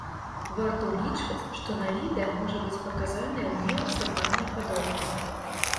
Варта ўлічваць, што на відэа можа быць паказаная ўмела сабраная падробка.